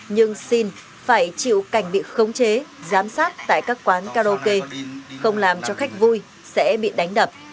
nhưng sinh phải chịu cảnh bị khống chế giám sát tại các quán karaoke không làm cho khách vui sẽ bị đánh đập